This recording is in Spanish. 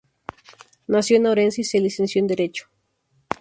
Nació en Orense y se licenció en Derecho.